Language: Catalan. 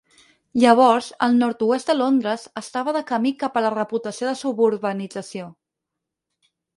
Llavors, el nord-oest de Londres estava de camí cap a la reputació de suburbanització.